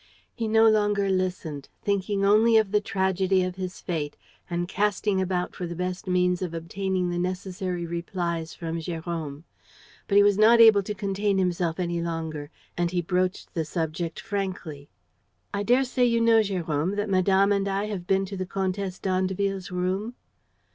He no longer listened, thinking only of the tragedy of his fate and casting about for the best means of obtaining the necessary replies from Jérôme. But he was not able to contain himself any longer and he broached the subject frankly: "I daresay you know, Jérôme, that madame and I have been to the Comtesse d'Andeville's room."